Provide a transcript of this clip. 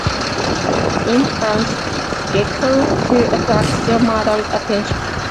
Infants "gecker" to attract their mother's attention.